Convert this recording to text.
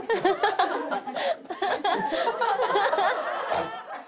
ハハハハ！